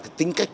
cái tính cách